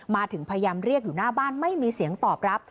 พยายามเรียกอยู่หน้าบ้านไม่มีเสียงตอบรับ